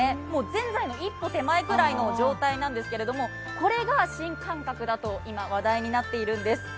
ぜんざいの一歩手前くらいの状態なんですけれどもこれが新感覚だと今、話題になっているんです。